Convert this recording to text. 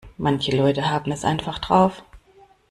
Manche Leute haben es einfach drauf.